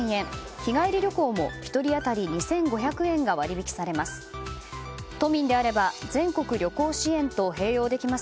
日帰り旅行も１人当たり２５００円が割り引きされます。